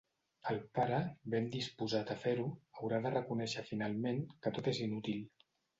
El pare, ben disposat a fer-ho, haurà de reconèixer finalment que tot és inútil.